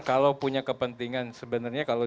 kalau punya kepentingan sebenarnya kalau